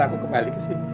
aku kembali kesini ya